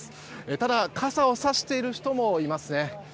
ただ、傘を差している人もいますね。